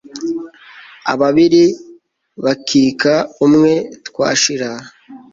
ababiri bakika umwe twashira